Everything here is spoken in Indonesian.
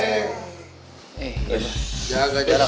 cahpe saya yang ngejagain